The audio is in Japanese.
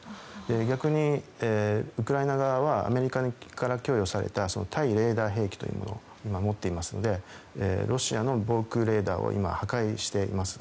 逆にウクライナ側はアメリカから供与された対レーダー兵器というものを持っていますのでロシアの防空レーダーを今破壊しています。